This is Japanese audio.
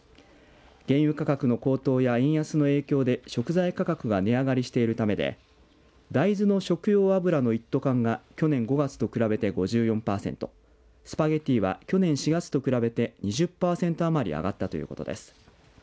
原油価格の高騰や円安の影響で食材価格が値上がりしているためで大豆の食用油の一斗缶が去年５月と比べて５４パーセントスパゲッティは去年４月と比べて２０パーセント余り上がったということです。